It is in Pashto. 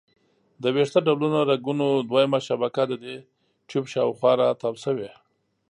د ویښته ډوله رګونو دویمه شبکه د دې ټیوب شاوخوا را تاو شوي.